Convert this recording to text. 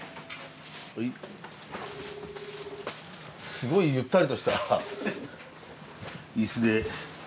すごいゆったりとした椅子で。